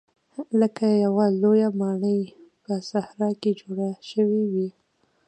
لکه یوه لویه ماڼۍ په صحرا کې جوړه شوې وي.